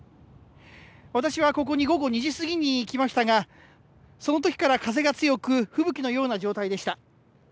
私はここに午後２時過ぎに来ましたが、そのときから風が強く、吹雪のような状態でした。